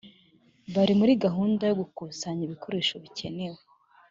Bari muri gahunda yo gukusanya ibikoresho bikenewe